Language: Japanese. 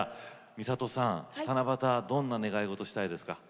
美里さん、七夕はどんな願いをしたいですか？